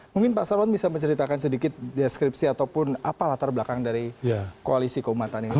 mungkin pak sarwan bisa menceritakan sedikit deskripsi ataupun apa latar belakang dari koalisi keumatan ini